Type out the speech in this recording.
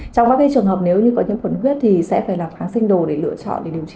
trong các trường hợp nếu như có nhiễm khuẩn huyết thì sẽ phải làm kháng sinh đồ để lựa chọn để điều trị